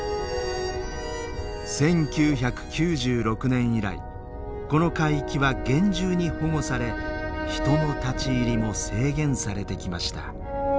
１９９６年以来この海域は厳重に保護され人の立ち入りも制限されてきました。